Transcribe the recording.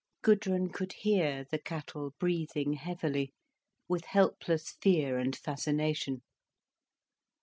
Gudrun could hear the cattle breathing heavily with helpless fear and fascination.